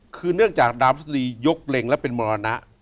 คือเนื่องจากดาวพฤษฎียกเล็งและเป็นมรณะ